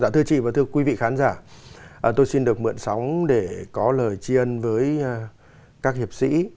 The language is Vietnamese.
thưa chị và thưa quý vị khán giả tôi xin được mượn sóng để có lời chi ân với các hiệp sĩ